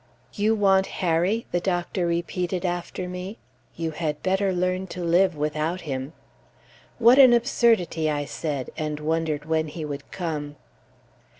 "You want Harry!" the doctor repeated after me; "you had better learn to live without him." "What an absurdity!" I said and wondered when he would come.